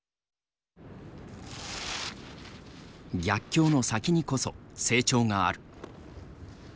逆境の先にこそ成長がある。